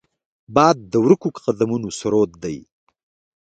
باد د ورکو قدمونو سرود دی